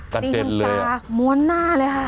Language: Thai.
กันเด็ดเลยม้วนหน้าเลยค่ะ